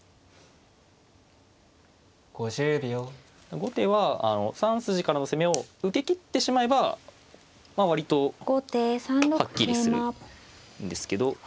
後手は３筋からの攻めを受けきってしまえば割とはっきりするんですけど。